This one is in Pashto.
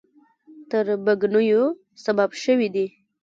تربګنیو سبب شوي دي.